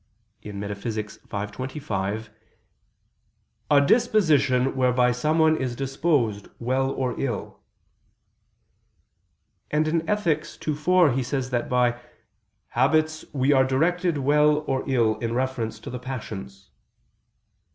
v, text. 25) defines habit, a "disposition whereby someone is disposed, well or ill"; and in Ethic. ii, 4, he says that by "habits we are directed well or ill in reference to the passions."